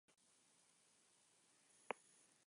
Fue profesor de psicología y neurobiología.